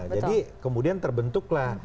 jadi kemudian terbentuklah